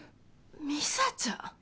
美沙ちゃん？